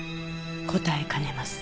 答えかねます。